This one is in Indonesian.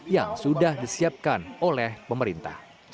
yang sudah disiapkan oleh pemerintah